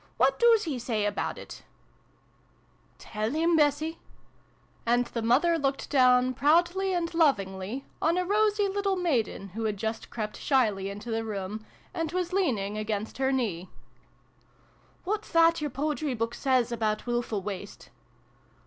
" What doos he say about it ?"" Tell him, Bessie !" And the mother looked down, proudly and lovingly, on a rosy little maiden, who had just crept shyly into the room, and was leaning against her knee. " W T hat's that your poetry book says about wilful waste